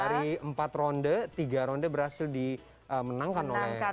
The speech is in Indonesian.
dari empat ronde tiga ronde berhasil dimenangkan oleh